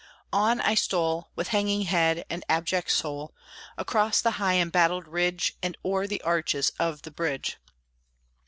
On I stole, With hanging head and abject soul, Across the high embattled ridge, And o'er the arches of the bridge.